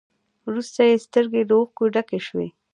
وروسته يې سترګې له اوښکو ډکې شوې.